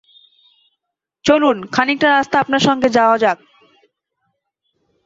চলুন, খানিকটা রাস্তা আপনার সঙ্গে যাওয়া যাক।